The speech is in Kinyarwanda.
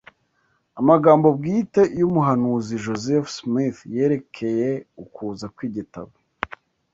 Amagambo bwite y’Umuhanuzi Joseph Smith yerekeye ukuza kw’Igitabo